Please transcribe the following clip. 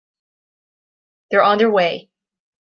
They're on their way.